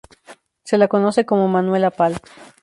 Se la conoce como "Manuela Pal".